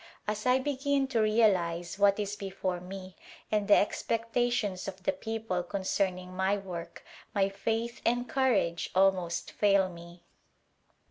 As I begin to realize what is before me and the expectations of the people con cerning my work my faith and courage almost fail me.